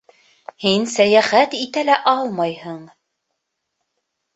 Һин сәйәхәт итә лә алмайһың...